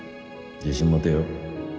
自信持てよ